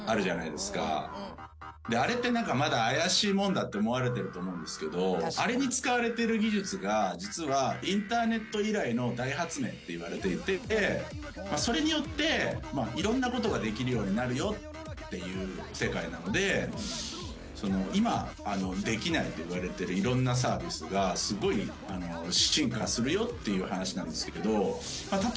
あれってまだ怪しいもんだって思われてると思うんですけどあれに使われてる技術が実は。っていわれていてそれによっていろんなことができるようになるよっていう世界なので今できないといわれてるいろんなサービスがすごい進化するよっていう話なんですけど。